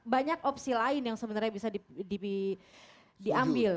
banyak opsi lain yang sebenarnya bisa diambil